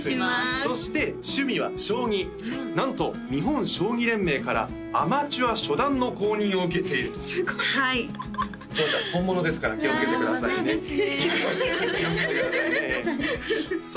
そして趣味は将棋なんと日本将棋連盟からアマチュア初段の公認を受けているすごいとわちゃん本物ですから気をつけてくださいねそうですね